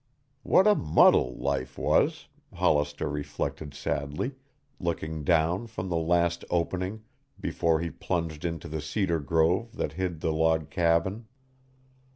What a muddle life was, Hollister reflected sadly, looking down from the last opening before he plunged into the cedar grove that hid the log cabin.